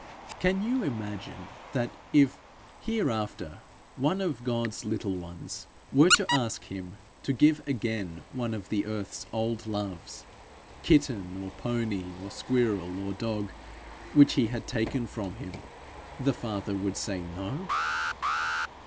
Can you imagine that, if, here after, one of God's little ones were to ask him to give again one of the earth's old loves kitten, or pony, or squirrel, or dog, which he had taken from him, the Father would say no?